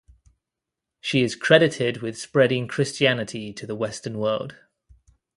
She is credited with spreading Christianity to the western world.